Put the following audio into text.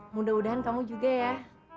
mudah mudahan kamu juga ya